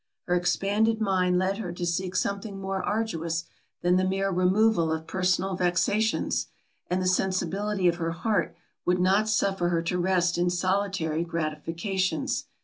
Her expanded mind led her to seek something more arduous than the mere removal of personal vexations; and the sensibility of her heart would not suffer her to rest in solitary gratifications.